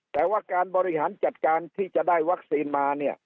แต่ว่าการบริหารจัดการที่จะได้วัคซีนมาเนี่ย